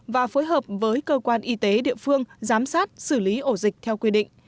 và phối hợp với cơ quan y tế địa phương giám sát xử lý ổ dịch theo quy định